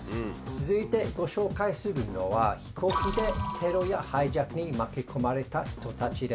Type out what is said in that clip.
続いてご紹介するのは飛行機でテロやハイジャックに巻き込まれた人たちです。